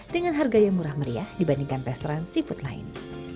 dengan harga yang murah meriah dibandingkan restoran seafood lain